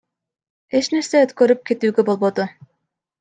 Эч нерсе өткөрүп кетүүгө болбоду.